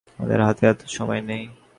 আমাদের হাতে এতো সময় নেই।